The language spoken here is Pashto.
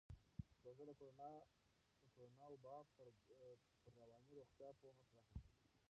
پروژه د کورونا وبا پر رواني روغتیا پوهه پراخه کړې.